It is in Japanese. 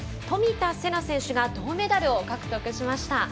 冨田せな選手が銅メダルを獲得しました。